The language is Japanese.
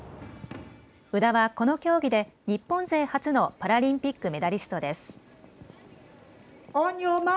宇田はこの競技で日本勢初のパラリンピックメダリストです。